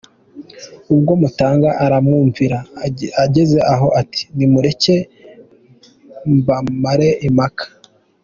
Ubwo Mutaga arabumvira, ageze aho ati “Nimureke mbamare impaka.